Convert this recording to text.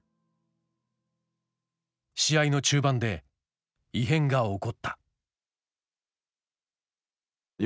試合の中盤で異変が起こった。